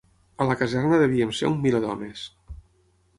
A la caserna devíem ser un miler d'homes